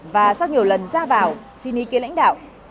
và sau nhiều lần ra vào xin ý kiến lãnh đạo